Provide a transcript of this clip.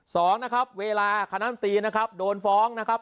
สองนะครับเวลาคณะมตรีนะครับโดนฟ้องนะครับ